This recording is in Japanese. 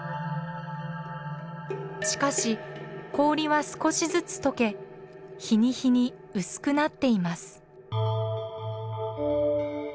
しかし氷は少しずつ解け日に日に薄くなっています。